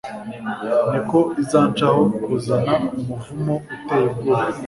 niko izanshaho kuzana umuvumo uteye ubwoba.